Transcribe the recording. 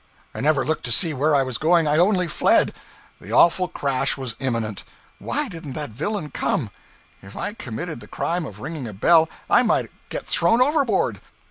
I never looked to see where I was going, I only fled. The awful crash was imminent why didn't that villain come! If I committed the crime of ringing a bell, I might get thrown overboard.